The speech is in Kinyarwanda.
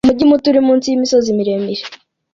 Umujyi muto uri munsi yimisozi miremire